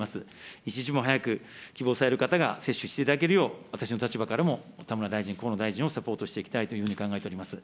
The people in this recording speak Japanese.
一日も早く希望される方が接種していただけるよう、私の立場からも、田村大臣、河野大臣をサポートしてまいりたいと考えております。